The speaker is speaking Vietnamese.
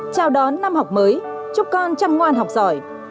chào đón năm học mới chúc con chăm ngoan học giỏi